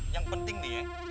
yang penting nih ya